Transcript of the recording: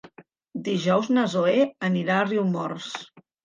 Dijous na Zoè anirà a Riumors.